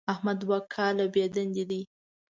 احمد دوه کاله بېدندې دی.